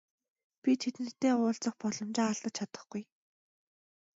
Би тэдэнтэй уулзах боломжоо алдаж чадахгүй.